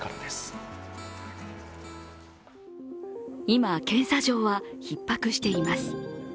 今、検査場はひっ迫しています。